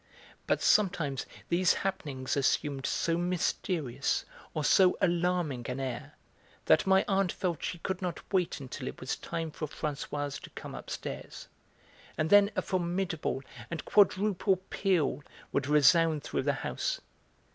But sometimes these happenings assumed so mysterious or so alarming an air that my aunt felt she could not wait until it was time for Françoise to come upstairs, and then a formidable and quadruple peal would resound through the house.